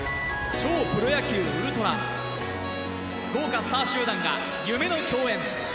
超プロ野球ＵＬＴ豪華スター集団が夢の競演。